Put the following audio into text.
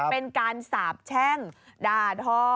เป็นการสาบแช่งด่าทอ